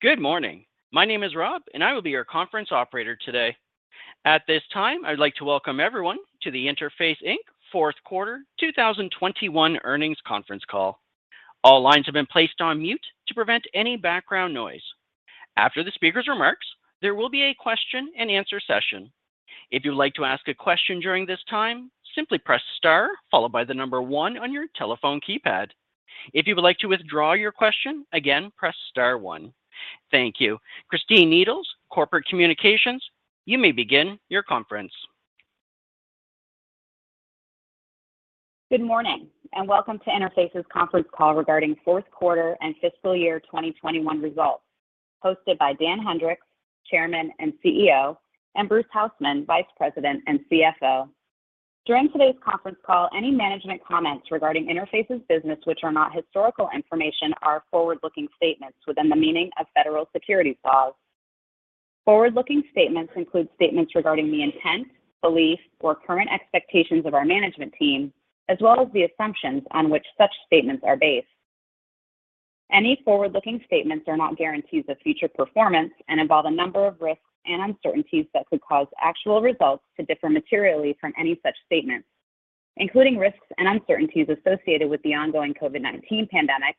Good morning. My name is Rob, and I will be your conference operator today. At this time, I'd like to welcome everyone to the Interface, Inc fourth quarter 2021 earnings conference call. All lines have been placed on mute to prevent any background noise. After the speaker's remarks, there will be a question and answer session. If you'd like to ask a question during this time, simply press star followed by the number one on your telephone keypad. If you would like to withdraw your question, again, press star one. Thank you. Christine Needles, Corporate Communications, you may begin your conference. Good morning, and welcome to Interface's conference call regarding fourth quarter and fiscal year 2021 results, hosted by Dan Hendrix, Chairman and CEO, and Bruce Hausmann, Vice President and CFO. During today's conference call, any management comments regarding Interface's business which are not historical information are forward-looking statements within the meaning of federal securities laws. Forward-looking statements include statements regarding the intent, belief, or current expectations of our management team, as well as the assumptions on which such statements are based. Any forward-looking statements are not guarantees of future performance and involve a number of risks and uncertainties that could cause actual results to differ materially from any such statements, including risks and uncertainties associated with the ongoing COVID-19 pandemic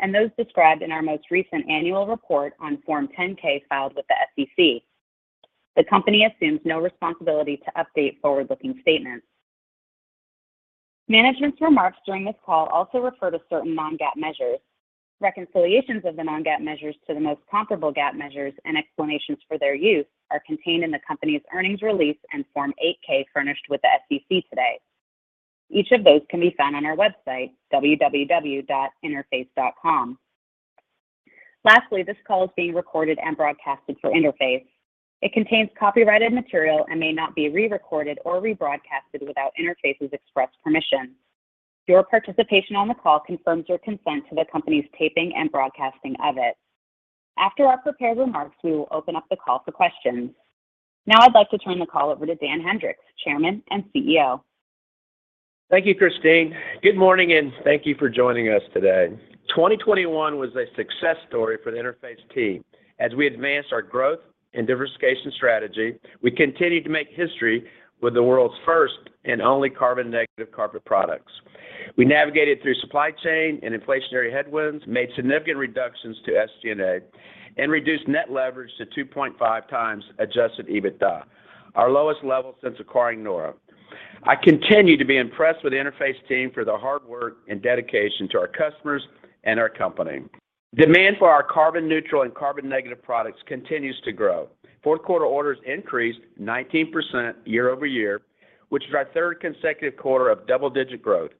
and those described in our most recent annual report on Form 10-K filed with the SEC. The company assumes no responsibility to update forward-looking statements. Management's remarks during this call also refer to certain non-GAAP measures. Reconciliations of the non-GAAP measures to the most comparable GAAP measures and explanations for their use are contained in the company's earnings release and Form 8-K furnished with the SEC today. Each of those can be found on our website, www.interface.com. Lastly, this call is being recorded and broadcasted for Interface. It contains copyrighted material and may not be re-recorded or rebroadcasted without Interface's express permission. Your participation on the call confirms your consent to the company's taping and broadcasting of it. After our prepared remarks, we will open up the call for questions. Now I'd like to turn the call over to Dan Hendrix, Chairman and CEO. Thank you, Christine. Good morning, and thank you for joining us today. 2021 was a success story for the Interface team. As we advanced our growth and diversification strategy, we continued to make history with the world's first and only carbon negative carpet products. We navigated through supply chain and inflationary headwinds, made significant reductions to SG&A, and reduced net leverage to 2.5x adjusted EBITDA, our lowest level since acquiring Nora. I continue to be impressed with the Interface team for their hard work and dedication to our customers and our company. Demand for our carbon neutral and carbon negative products continues to grow. Fourth quarter orders increased 19% year-over-year, which is our third consecutive quarter of double-digit growth.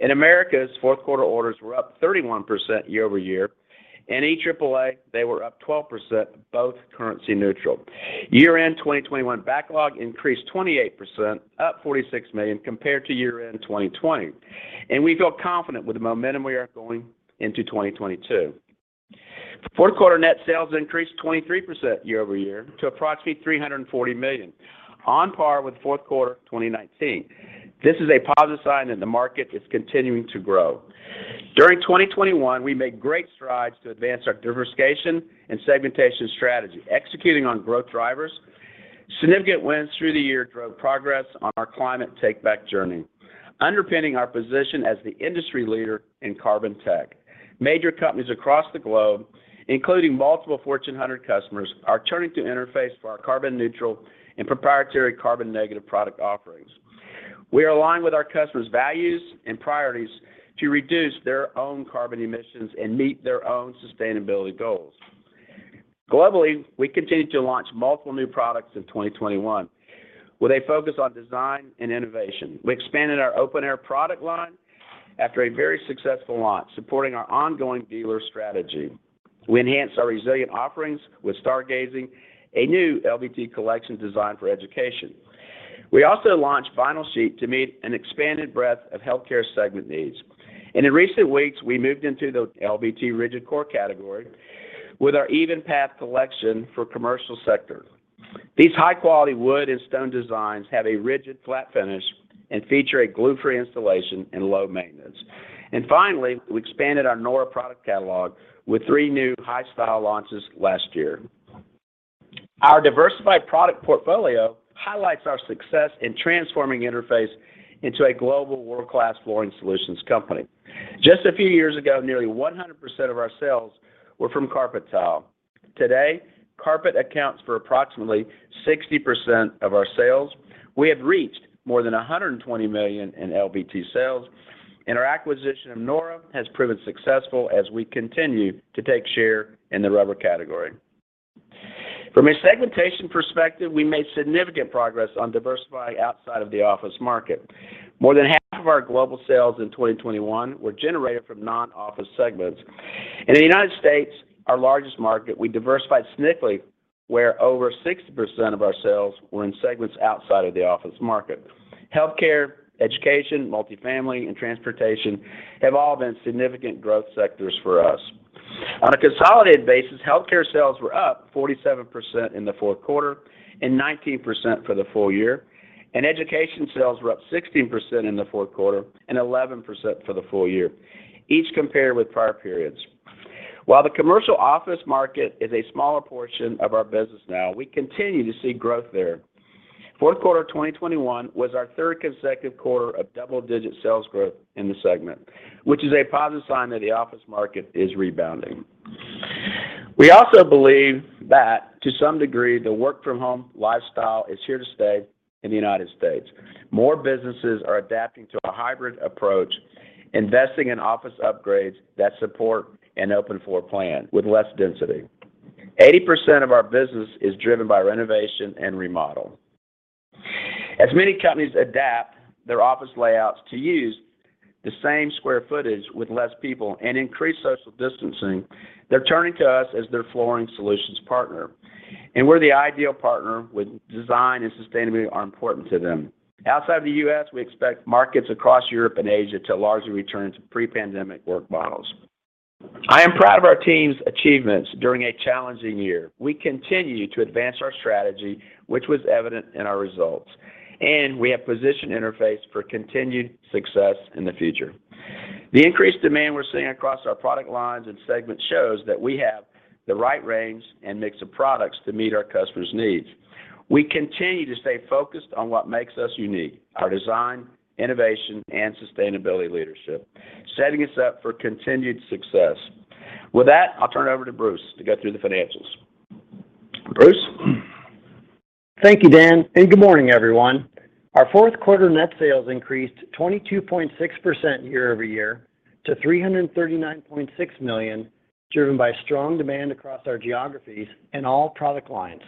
In Americas, fourth quarter orders were up 31% year-over-year. In EMEA, they were up 12%, both currency neutral. Year-end 2021 backlog increased 28%, up $46 million compared to year-end 2020, and we feel confident with the momentum we are going into 2022. Fourth quarter net sales increased 23% year-over-year to approximately $340 million, on par with fourth quarter of 2019. This is a positive sign that the market is continuing to grow. During 2021, we made great strides to advance our diversification and segmentation strategy, executing on growth drivers. Significant wins through the year drove progress on our climate takeback journey, underpinning our position as the industry leader in carbon tech. Major companies across the globe, including multiple Fortune 100 customers, are turning to Interface for our carbon neutral and proprietary carbon negative product offerings. We are aligned with our customers' values and priorities to reduce their own carbon emissions and meet their own sustainability goals. Globally, we continued to launch multiple new products in 2021, with a focus on design and innovation. We expanded our Open Air product line after a very successful launch, supporting our ongoing dealer strategy. We enhanced our resilient offerings with Stargazing, a new LVT collection designed for education. We also launched Vinyl Sheet to meet an expanded breadth of healthcare segment needs. In recent weeks, we moved into the LVT rigid core category with our Even Path collection for commercial sector. These high-quality wood and stone designs have a rigid flat finish and feature a glue-free installation and low maintenance. Finally, we expanded our Nora product catalog with three new high-style launches last year. Our diversified product portfolio highlights our success in transforming Interface into a global world-class flooring solutions company. Just a few years ago, nearly 100% of our sales were from carpet tile. Today, carpet accounts for approximately 60% of our sales. We have reached more than $120 million in LVT sales, and our acquisition of Nora has proven successful as we continue to take share in the rubber category. From a segmentation perspective, we made significant progress on diversifying outside of the office market. More than 1/2 of our global sales in 2021 were generated from non-office segments. In the United States, our largest market, we diversified significantly, where over 60% of our sales were in segments outside of the office market. Healthcare, education, multifamily, and transportation have all been significant growth sectors for us. On a consolidated basis, healthcare sales were up 47% in the fourth quarter and 19% for the full year. Education sales were up 16% in the fourth quarter and 11% for the full year, each compared with prior periods. While the commercial office market is a smaller portion of our business now, we continue to see growth there. Fourth quarter 2021 was our third consecutive quarter of double-digit sales growth in the segment, which is a positive sign that the office market is rebounding. We also believe that to some degree, the work from home lifestyle is here to stay in the United States. More businesses are adapting to a hybrid approach, investing in office upgrades that support an open floor plan with less density. 80% of our business is driven by renovation and remodel. As many companies adapt their office layouts to use the same square footage with less people and increase social distancing, they're turning to us as their flooring solutions partner, and we're the ideal partner when design and sustainability are important to them. Outside the U.S., we expect markets across Europe and Asia to largely return to pre-pandemic work models. I am proud of our team's achievements during a challenging year. We continue to advance our strategy, which was evident in our results, and we have positioned Interface for continued success in the future. The increased demand we're seeing across our product lines and segments shows that we have the right range and mix of products to meet our customers' needs. We continue to stay focused on what makes us unique, our design, innovation, and sustainability leadership, setting us up for continued success. With that, I'll turn it over to Bruce to go through the financials. Bruce. Thank you, Dan, and good morning, everyone. Our fourth quarter net sales increased 22.6% year-over-year to $339.6 million, driven by strong demand across our geographies and all product lines.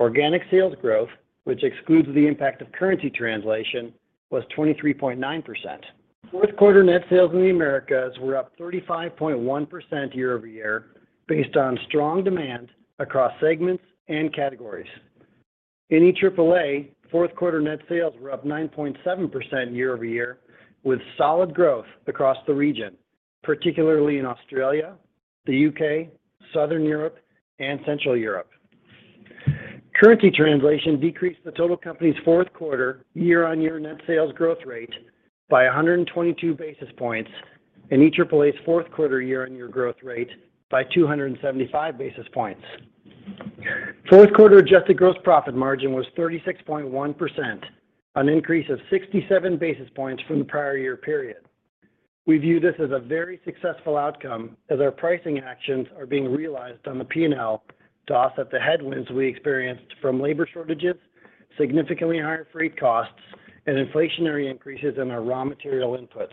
Organic sales growth, which excludes the impact of currency translation, was 23.9%. Fourth quarter net sales in the Americas were up 35.1% year-over-year based on strong demand across segments and categories. In EAAA, fourth quarter net sales were up 9.7% year-over-year with solid growth across the region, particularly in Australia, the U.K., Southern Europe, and Central Europe. Currency translation decreased the total company's fourth quarter year-over-year net sales growth rate by 122 basis points and EAAA's fourth quarter year-over-year growth rate by 275 basis points. Fourth quarter adjusted gross profit margin was 36.1%, an increase of 67 basis points from the prior year period. We view this as a very successful outcome as our pricing actions are being realized on the P&L to offset the headwinds we experienced from labor shortages, significantly higher freight costs, and inflationary increases in our raw material inputs.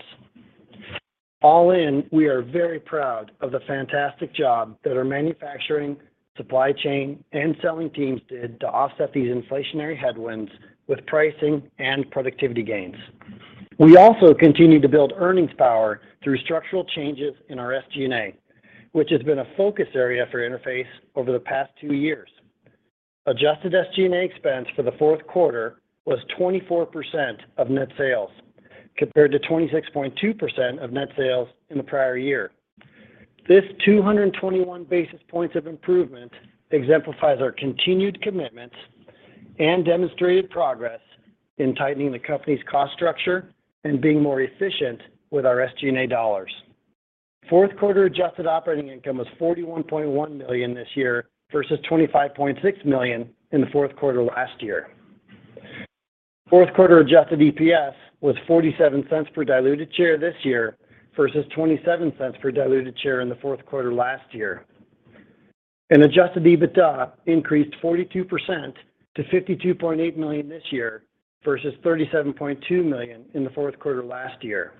All in, we are very proud of the fantastic job that our manufacturing, supply chain, and selling teams did to offset these inflationary headwinds with pricing and productivity gains. We also continued to build earnings power through structural changes in our SG&A, which has been a focus area for Interface over the past two years. Adjusted SG&A expense for the fourth quarter was 24% of net sales, compared to 26.2% of net sales in the prior year. This 221 basis points of improvement exemplifies our continued commitment and demonstrated progress in tightening the company's cost structure and being more efficient with our SG&A dollars. Fourth quarter adjusted operating income was $41.1 million this year versus $25.6 million in the fourth quarter last year. Fourth quarter adjusted EPS was $0.47 per diluted share this year versus $0.27 per diluted share in the fourth quarter last year. Adjusted EBITDA increased 42% to $52.8 million this year versus $37.2 million in the fourth quarter last year.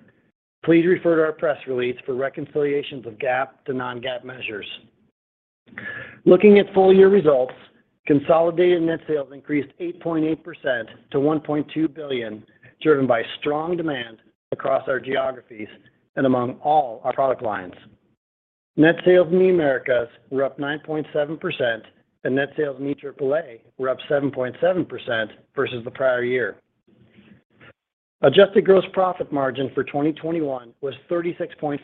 Please refer to our press release for reconciliations of GAAP to non-GAAP measures. Looking at full-year results, consolidated net sales increased 8.8% to $1.2 billion, driven by strong demand across our geographies and among all our product lines. Net sales in the Americas were up 9.7%, and net sales in EMEA were up 7.7% versus the prior year. Adjusted gross profit margin for 2021 was 36.5%,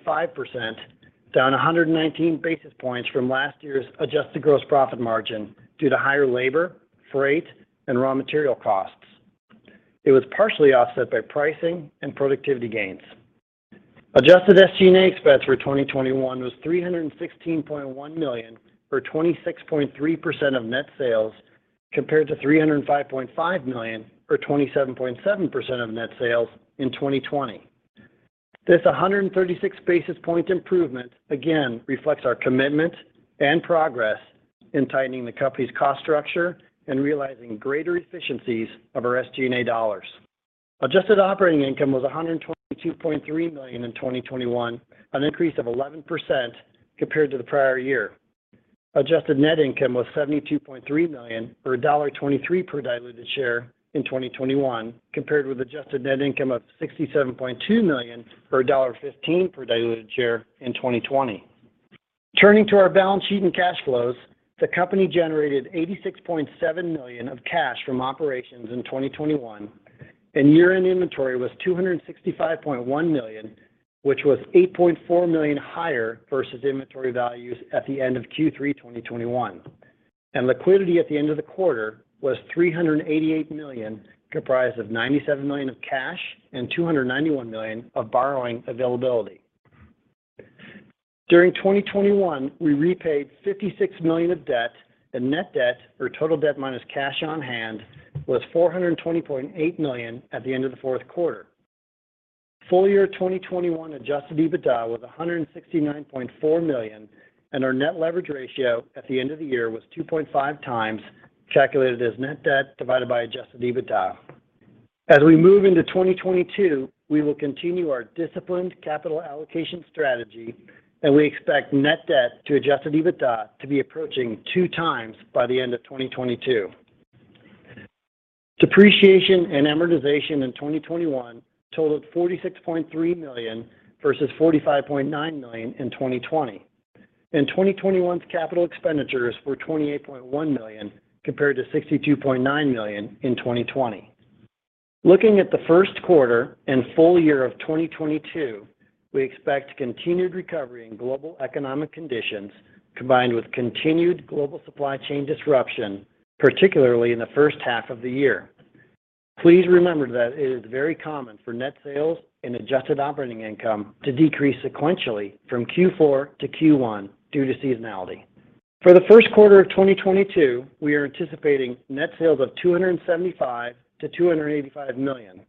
down 119 basis points from last year's adjusted gross profit margin due to higher labor, freight, and raw material costs. It was partially offset by pricing and productivity gains. Adjusted SG&A expense for 2021 was $316.1 million, or 26.3% of net sales, compared to $305.5 million or 27.7% of net sales in 2020. This 136 basis point improvement again reflects our commitment and progress in tightening the company's cost structure and realizing greater efficiencies of our SG&A dollars. Adjusted operating income was $122.3 million in 2021, an increase of 11% compared to the prior year. Adjusted net income was $72.3 million, or $1.23 per diluted share in 2021, compared with adjusted net income of $67.2 million or $1.15 per diluted share in 2020. Turning to our balance sheet and cash flows, the company generated $86.7 million of cash from operations in 2021, and year-end inventory was $265.1 million, which was $8.4 million higher versus inventory values at the end of Q3 2021. Liquidity at the end of the quarter was $388 million, comprised of $97 million of cash and $291 million of borrowing availability. During 2021, we repaid $56 million of debt, and net debt or total debt minus cash on hand was $420.8 million at the end of the fourth quarter. Full-year 2021 adjusted EBITDA was $169.4 million, and our net leverage ratio at the end of the year was 2.5x, calculated as net debt divided by adjusted EBITDA. As we move into 2022, we will continue our disciplined capital allocation strategy, and we expect net debt to adjusted EBITDA to be approaching 2x by the end of 2022. Depreciation and amortization in 2021 totaled $46.3 million versus $45.9 million in 2020. 2021's capital expenditures were $28.1 million compared to $62.9 million in 2020. Looking at the first quarter and full year of 2022, we expect continued recovery in global economic conditions, combined with continued global supply chain disruption, particularly in the first half of the year. Please remember that it is very common for net sales and adjusted operating income to decrease sequentially from Q4 to Q1 due to seasonality. For the first quarter of 2022, we are anticipating net sales of $275 million-$285 million,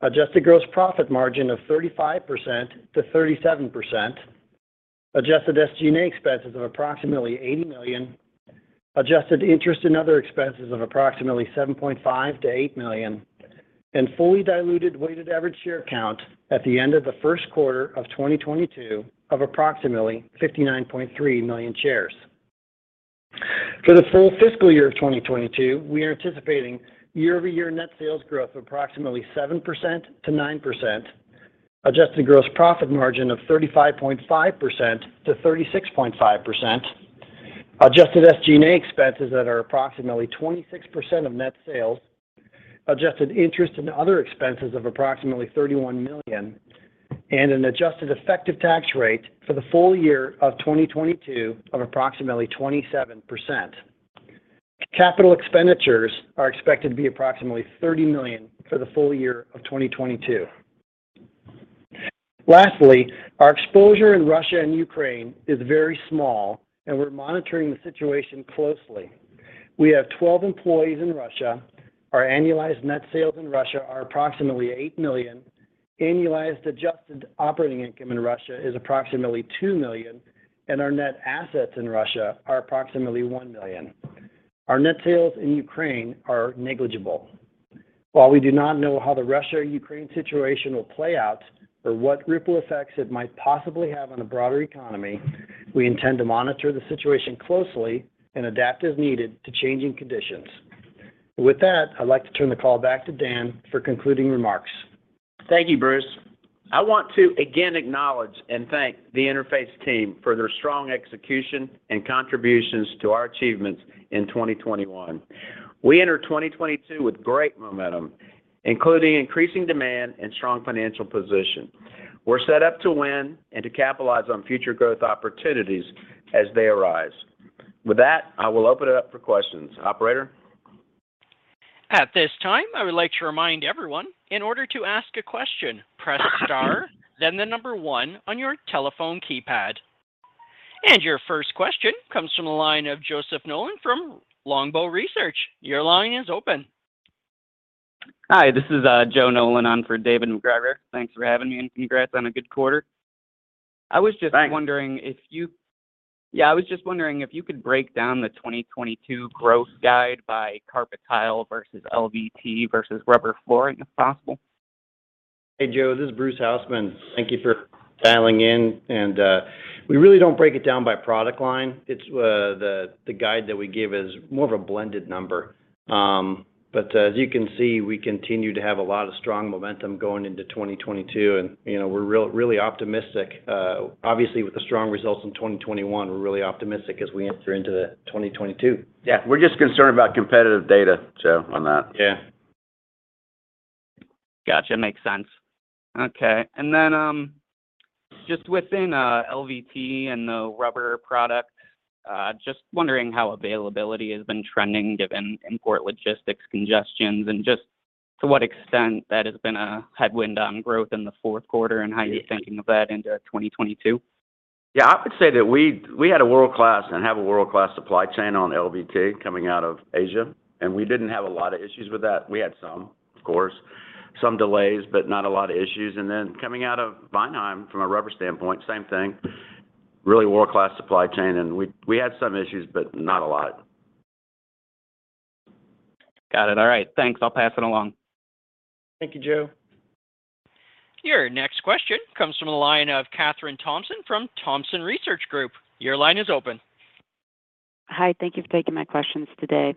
adjusted gross profit margin of 35%-37%, adjusted SG&A expenses of approximately $80 million, adjusted interest and other expenses of approximately $7.5 million-$8 million, and fully diluted weighted average share count at the end of the first quarter of 2022 of approximately 59.3 million shares. For the full fiscal year of 2022, we are anticipating year-over-year net sales growth of approximately 7%-9%, adjusted gross profit margin of 35.5%-36.5%, adjusted SG&A expenses that are approximately 26% of net sales, adjusted interest and other expenses of approximately $31 million, and an adjusted effective tax rate for the full year of 2022 of approximately 27%. Capital expenditures are expected to be approximately $30 million for the full year of 2022. Lastly, our exposure in Russia and Ukraine is very small, and we're monitoring the situation closely. We have 12 employees in Russia. Our annualized net sales in Russia are approximately $8 million. Annualized adjusted operating income in Russia is approximately $2 million, and our net assets in Russia are approximately $1 million. Our net sales in Ukraine are negligible. While we do not know how the Russia-Ukraine situation will play out or what ripple effects it might possibly have on the broader economy, we intend to monitor the situation closely and adapt as needed to changing conditions. With that, I'd like to turn the call back to Dan for concluding remarks. Thank you, Bruce. I want to again acknowledge and thank the Interface team for their strong execution and contributions to our achievements in 2021. We enter 2022 with great momentum, including increasing demand and strong financial position. We're set up to win and to capitalize on future growth opportunities as they arise. With that, I will open it up for questions. Operator? At this time, I would like to remind everyone, in order to ask a question, press star, then the number one on your telephone keypad. Your first question comes from the line of Joe Nolan from Longbow Research. Your line is open. Hi, this is Joe Nolan on for David MacGregor. Thanks for having me, and congrats on a good quarter. Thanks. I was just wondering if you could break down the 2022 growth guidance by carpet tile versus LVT versus rubber flooring, if possible? Hey, Joe, this is Bruce Hausmann. Thank you for dialing in. We really don't break it down by product line. It's the guide that we give is more of a blended number. As you can see, we continue to have a lot of strong momentum going into 2022, and, you know, we're really optimistic. Obviously, with the strong results in 2021, we're really optimistic as we enter into 2022. Yeah, we're just concerned about competitive data, Joe, on that. Yeah. Gotcha. Makes sense. Okay. Just within LVT and the rubber product, just wondering how availability has been trending given import logistics congestions and just to what extent that has been a headwind on growth in the fourth quarter and how you're thinking of that into 2022. Yeah. I would say that we had a world-class and have a world-class supply chain on LVT coming out of Asia, and we didn't have a lot of issues with that. We had some, of course, some delays, but not a lot of issues. Coming out of Weinheim from a rubber standpoint, same thing, really world-class supply chain. We had some issues, but not a lot. Got it. All right. Thanks. I'll pass it along. Thank you, Joe. Your next question comes from the line of Kathryn Thompson from Thompson Research Group. Your line is open. Hi. Thank you for taking my questions today.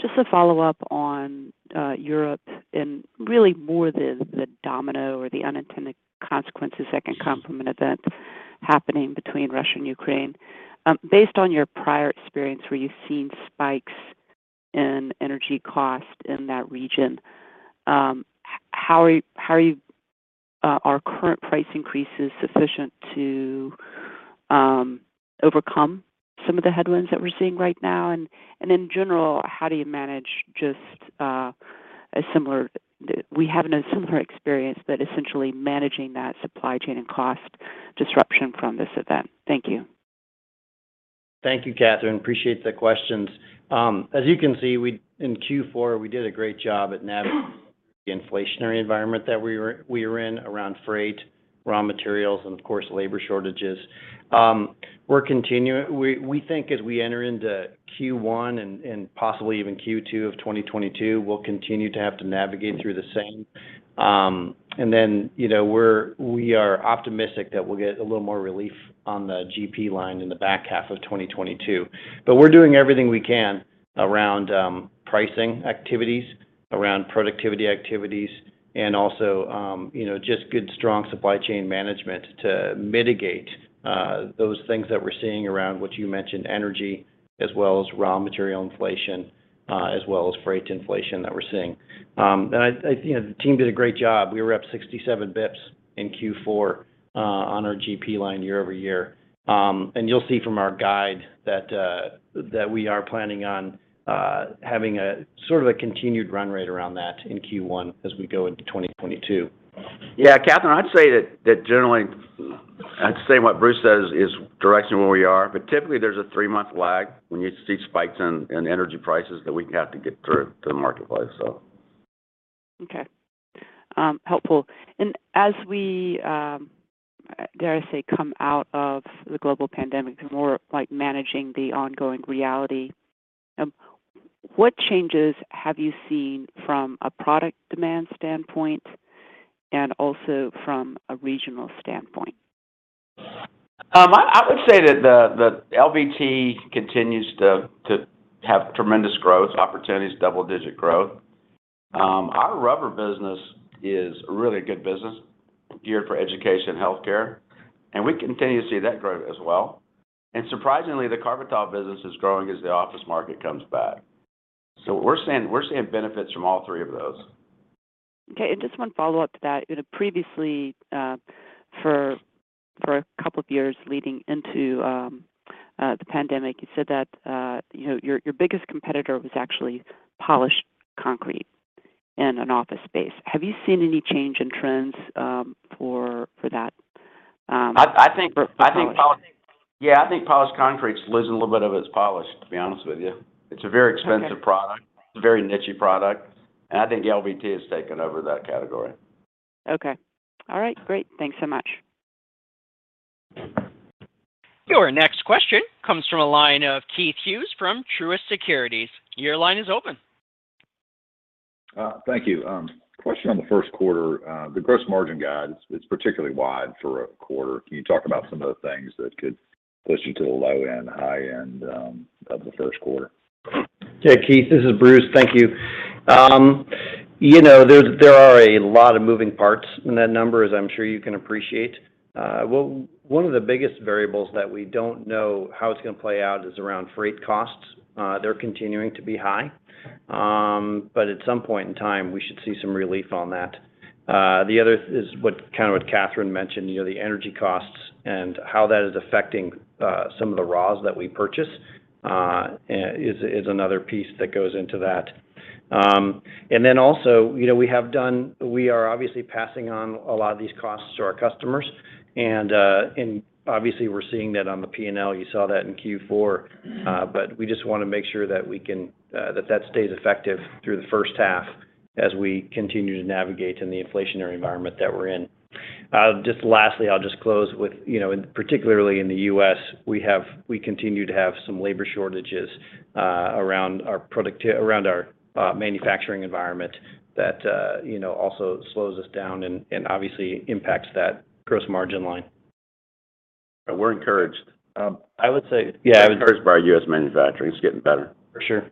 Just to follow up on Europe and really more the domino or the unintended consequences that can complement events happening between Russia and Ukraine. Based on your prior experience where you've seen spikes in energy cost in that region, how are current price increases sufficient to overcome some of the headwinds that we're seeing right now? In general, how do you manage a similar experience, but essentially managing that supply chain and cost disruption from this event. Thank you. Thank you, Kathryn. Appreciate the questions. As you can see, in Q4, we did a great job at the inflationary environment that we were in around freight, raw materials, and of course labor shortages. We think as we enter into Q1 and possibly even Q2 of 2022, we'll continue to have to navigate through the same. You know, we are optimistic that we'll get a little more relief on the GP line in the back half of 2022. We're doing everything we can around pricing activities, around productivity activities, and also you know, just good strong supply chain management to mitigate those things that we're seeing around what you mentioned, energy, as well as raw material inflation as well as freight inflation that we're seeing. I, you know, the team did a great job. We were up 67 basis points in Q4 on our GP line year-over-year. You'll see from our guide that we are planning on having a sort of a continued run rate around that in Q1 as we go into 2022. Yeah, Catherine, I'd say that generally, I'd say what Bruce says is directional where we are. Typically there's a three-month lag when you see spikes in energy prices that we have to get through to the marketplace, so. Okay. Helpful. As we, dare I say, come out of the global pandemic, more like managing the ongoing reality, what changes have you seen from a product demand standpoint, and also from a regional standpoint? I would say that the LVT continues to have tremendous growth opportunities, double digit growth. Our rubber business is a really good business, geared for education and healthcare, and we continue to see that grow as well. Surprisingly, the carpet tile business is growing as the office market comes back. We're seeing benefits from all three of those. Okay. Just one follow-up to that. You know previously, for a couple of years leading into the pandemic, you said that, you know, your biggest competitor was actually polished concrete in an office space. Have you seen any change in trends, for that? I think. For polished concrete. Yeah, I think polished concrete's losing a little bit of its polish, to be honest with you. It's a very expensive- Okay product. It's a very niche-y product, and I think LVT has taken over that category. Okay. All right. Great. Thanks so much. Your next question comes from a line of Keith Hughes from Truist Securities. Your line is open. Thank you. Question on the first quarter. The gross margin guide is particularly wide for a quarter. Can you talk about some of the things that could push you to the low end, high end, of the first quarter? Yeah, Keith, this is Bruce. Thank you. You know, there are a lot of moving parts in that number, as I'm sure you can appreciate. One of the biggest variables that we don't know how it's gonna play out is around freight costs. They're continuing to be high. But at some point in time we should see some relief on that. The other is, kind of, what Kathryn mentioned, you know, the energy costs and how that is affecting some of the raws that we purchase is another piece that goes into that. Also, you know, we are obviously passing on a lot of these costs to our customers, and obviously we're seeing that on the P&L. You saw that in Q4. We just wanna make sure that stays effective through the first half as we continue to navigate in the inflationary environment that we're in. Just lastly, I'll just close with, you know, particularly in the U.S., we continue to have some labor shortages around our manufacturing environment that, you know, also slows us down and obviously impacts that gross margin line. We're encouraged. I would say. Yeah, I would- Encouraged by U.S. manufacturing. It's getting better. For sure.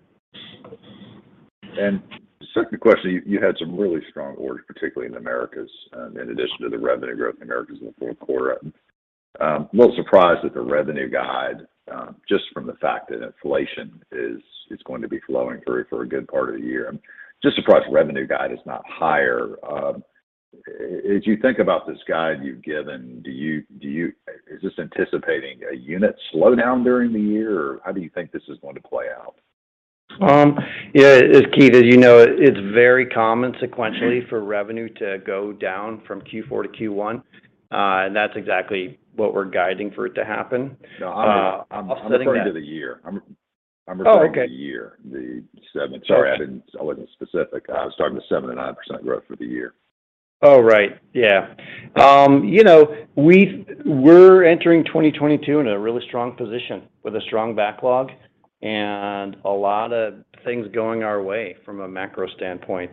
Second question, you had some really strong orders, particularly in Americas, in addition to the revenue growth in Americas in the fourth quarter. I'm a little surprised at the revenue guide, just from the fact that inflation is going to be flowing through for a good part of the year. I'm just surprised the revenue guide is not higher. As you think about this guide you've given, is this anticipating a unit slowdown during the year, or how do you think this is going to play out? Yeah, as Keith, as you know, it's very common sequentially for revenue to go down from Q4 to Q1. That's exactly what we're guiding for it to happen. No, I'm. I'll say that. I'm referring to the year. Oh, okay. I'm referring to the year. The 7%. Sorry. I shouldn't. I wasn't specific. I was talking about the 7%-9% growth for the year. Oh, right. Yeah. You know, we're entering 2022 in a really strong position with a strong backlog and a lot of things going our way from a macro standpoint.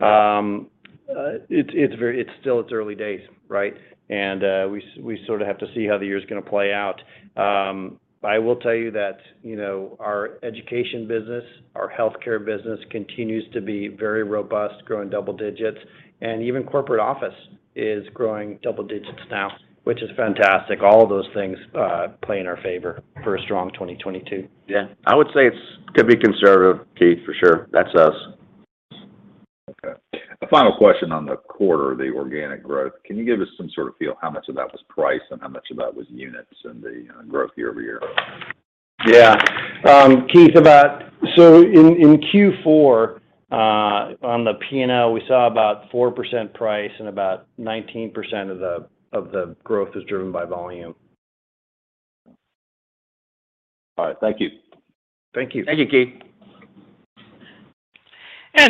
It's still early days, right? We sort of have to see how the year's gonna play out. I will tell you that, you know, our education business, our healthcare business continues to be very robust, growing double digits, and even corporate office is growing double digits now, which is fantastic. All of those things play in our favor for a strong 2022. Yeah. I would say it could be conservative, Keith, for sure. That's us. Okay. A final question on the quarter, the organic growth. Can you give us some sort of feel how much of that was price and how much of that was units and the, growth year over year? Yeah. Keith, about in Q4 on the P&L, we saw about 4% price and about 19% of the growth is driven by volume. All right. Thank you. Thank you. Thank you, Keith.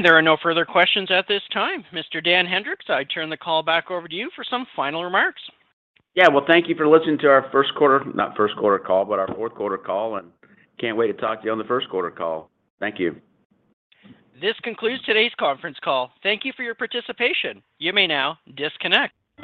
There are no further questions at this time. Mr. Dan Hendrix, I turn the call back over to you for some final remarks. Yeah. Well, thank you for listening to our first quarter, not first quarter call, but our fourth quarter call, and can't wait to talk to you on the first quarter call. Thank you. This concludes today's conference call. Thank you for your participation. You may now disconnect.